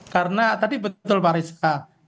karena tadi betul pak reza